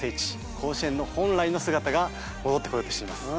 甲子園の本来の姿が戻ってこようとしています。